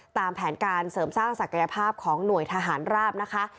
ตามแผนการเสริมสร้างศักยภาพของหน่วยทหารราบนะคะ